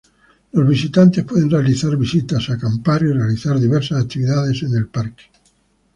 Los visitantes pueden realizar visitas, acampar y realizar diversas actividades en el parque.